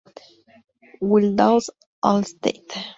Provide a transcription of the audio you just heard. Wildhaus-Alt St.